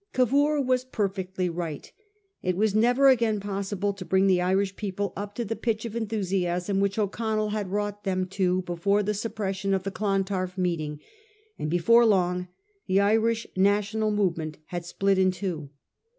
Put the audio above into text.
Cavour was perfectly right. It was never again possible to bring the Irish people up to the pitch of enthusiasm which O'Connell had wrought them to before the suppression of the Clontarf meet ing; and before long the Irish national movement had split in two.